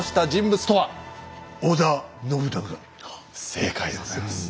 正解でございます。